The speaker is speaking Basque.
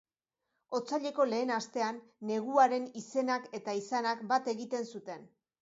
Otsaileko lehen astean, neguaren izenak eta izanak bat egin zuten.